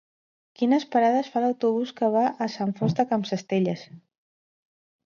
Quines parades fa l'autobús que va a Sant Fost de Campsentelles?